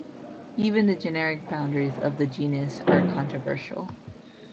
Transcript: Even the generic boundaries of the genus are controversial.